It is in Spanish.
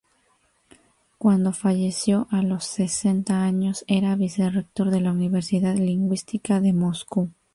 Cuando falleció a los sesenta años era vicerrector de la Universidad Lingüística de Moscú.